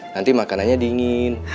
nanti makanannya dingin